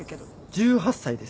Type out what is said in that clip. １８歳です。